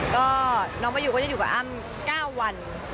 ก็น้องมายูก็จะอยู่กับอ้ำ๙วัน